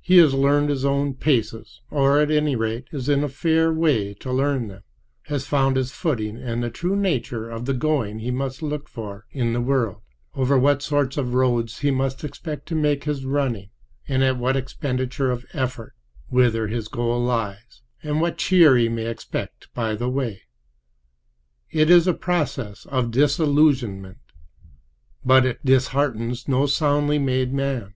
He has learned his own paces, or, at any rate, is in a fair way to learn them; has found his footing and the true nature of the "going" he must look for in the world; over what sorts of roads he must expect to make his running, and at what expenditure of effort; whither his goal lies, and what cheer he may expect by the way. It is a process of disillusionment, but it disheartens no soundly made man.